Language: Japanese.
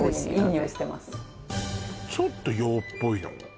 ちょっと洋っぽいの？